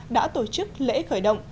đã tổ chức lễ khởi động